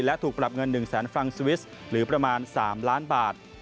และถูกปรับเงิน๑แสนฟรังสวิสหรือประมาณ๓ล้านบาท